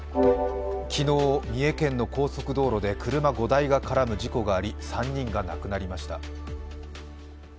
昨日、三重県の高速道路で車５台が絡む事故があり、３人が亡くなりました。